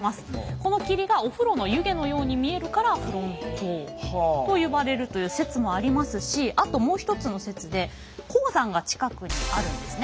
この霧がお風呂の湯気のように見えるから風呂塔と呼ばれるという説もありますしあともう一つの説で鉱山が近くにあるんですね。